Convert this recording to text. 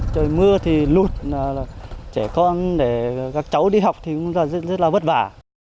trời mưa thì lụt trẻ con các cháu đi học thì rất là vất vả